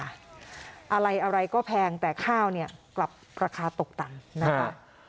อะไรอะไรก็แพงแต่ข้าวเนี่ยกลับราคาตกต่ำนะคะ